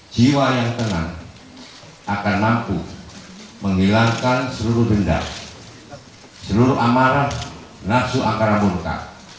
jiwa yang tenang akan mampu menghilangkan seluruh dendam seluruh amarah nafsu angkaraburka